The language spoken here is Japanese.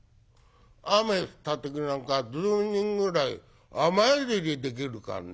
雨降った時なんか１０人ぐらい雨宿りできるからね。